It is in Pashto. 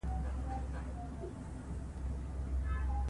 استاد هغه کدرونه روزي چي د وطن د ابادۍ او دفاع وړتیا ولري.